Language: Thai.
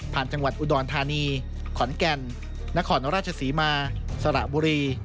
จังหวัดอุดรธานีขอนแก่นนครราชศรีมาสระบุรี